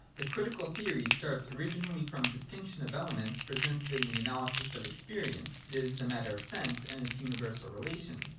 The Critical theory starts originally from the distinc tion of elements presented in the analysis of experience, viz. the matter of sense, and its universal relations.